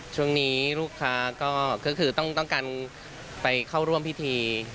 ช่วงนี้ลูกค้าก็คือต้องการไปเข้าร่วมพิธี